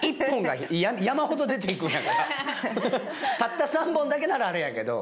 たった３本だけならあれやけど。